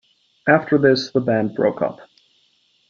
After this, the band broke up.